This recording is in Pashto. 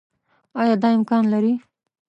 آيا دا امکان لري